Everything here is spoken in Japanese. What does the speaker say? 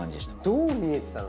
どう見えてたの？